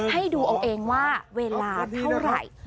ให้ดูเอาเองว่าเวลาเท่าไหร่